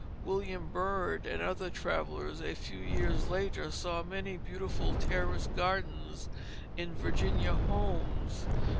William Byrd and other travellers, a few years later, saw many beautiful terraced gardens in Virginian homes.